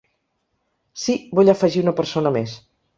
Si, vull afegir una persona mes.